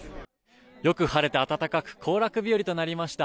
よく晴れて暖かく行楽日和となりました。